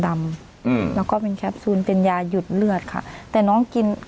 อืมแล้วก็เป็นแคปซูลเป็นยาหยุดเลือดค่ะแต่น้องกิน